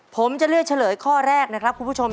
ผมจะเลือกนะครับครับคุณผู้ชม